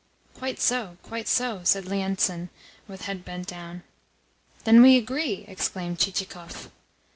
"Quite so, quite so," said Lienitsin with head bent down. "Then we agree!" exclaimed Chichikov.